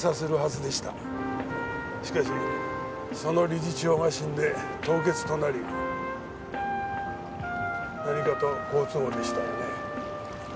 しかしその理事長が死んで凍結となり何かと好都合でしたよね。